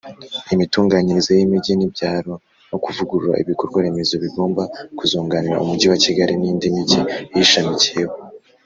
imitunganyirize y’ imijyi n’ibyaro no kuvugurura ibikorwaremezo bigomba kuzunganira umujyi wa Kigali n’indi mijyi iyishamikiyeho.